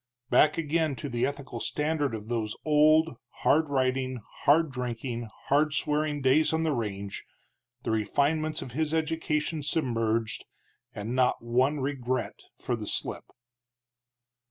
Back again to the ethical standard of those old, hard riding, hard drinking, hard swearing days on the range, the refinements of his education submerged, and not one regret for the slip.